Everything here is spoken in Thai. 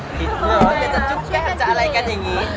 อย่างนี้